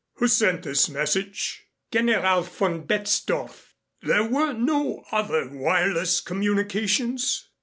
Who sent this message?" "General von Betzdorf." "There were no other wireless communications?"